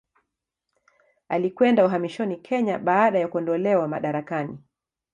Alikwenda uhamishoni Kenya baada ya kuondolewa madarakani.